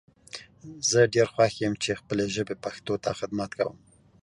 زه ډیر خوښ یم چی خپلې ژبي پښتو ته خدمت کوم